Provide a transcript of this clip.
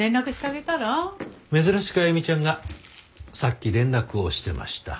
珍しく歩ちゃんがさっき連絡をしてました。